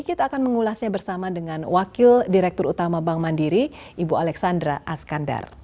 kita akan mengulasnya bersama dengan wakil direktur utama bank mandiri ibu alexandra askandar